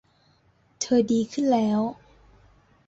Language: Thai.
เธอดีขึ้นแล้ว